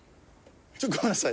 ちょっとごめんなさい。